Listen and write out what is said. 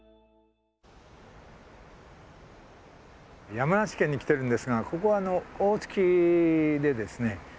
山梨県に来てるんですがここは大月でですね